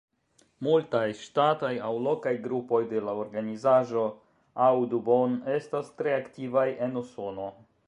Multaj ŝtataj aŭ lokaj grupoj de la organizaĵo Audubon estas tre aktivaj en Usono.